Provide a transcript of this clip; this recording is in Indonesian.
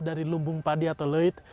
dari lumpung padi atau luit